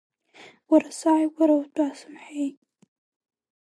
Уара сааигәара утәа сымҳәеи!